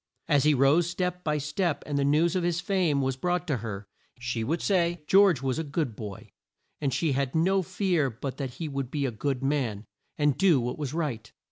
As he rose step by step, and the news of his fame was brought to her, she would say "George was a good boy," and she had no fear but that he would be a good man, and do what was right.